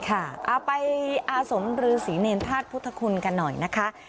เอาไปอาสมรือศรีเนรธาตุพุทธคุณกันหน่อยนะคะ